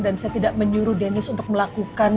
dan saya tidak menyuruh dennis untuk melakukan